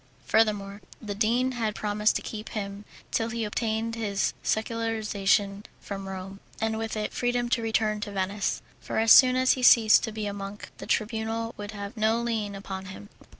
Furthermore, the dean had promised to keep him till he obtained his secularization from Rome, and with it freedom to return to Venice, for as soon as he ceased to be a monk the Tribunal would have no lien upon him.